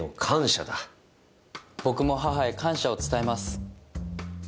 僕も母へ感謝を伝えます。